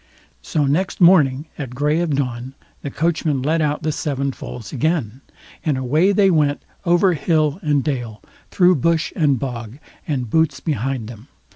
So next morning, at gray of dawn, the coachman let out the seven foals again, and away they went over hill and dale, through bush and bog, and Boots behind them.